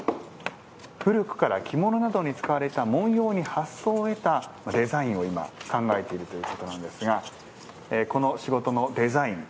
古くから着物などに使われた文様に発想を得たデザインを今考えているということなんですがこの仕事のデザイン